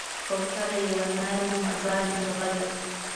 کوتره یو نرممزاجه مرغه ده.